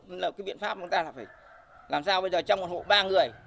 nên là cái biện pháp chúng ta là phải làm sao bây giờ trong một hộ ba người